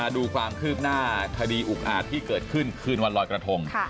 ดูความคืบหน้าคดีอุกอาจที่เกิดขึ้นคืนวันลอยกระทง